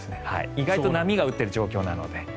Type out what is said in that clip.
意外と波を打っている状況なので。